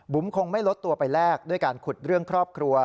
คงไม่ลดตัวไปแลกด้วยการขุดเรื่องครอบครัว